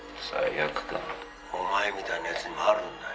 「お前みたいな奴にもあるんだよ」